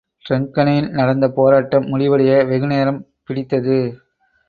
டிரங்கனில் நடந்த போராட்டம் முடிவடைய வெகுநேரம் பிடித்தது.